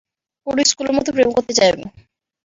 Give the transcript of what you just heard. পুরনো স্কুলের মত প্রেম করতে চাই আমি।